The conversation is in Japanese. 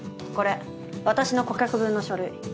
これ私の顧客分の書類。